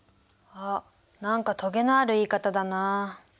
あっ何かトゲのある言い方だなあ。